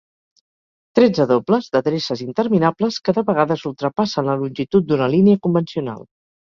Tretze dobles, d'adreces interminables que de vegades ultrapassen la longitud d'una línia convencional.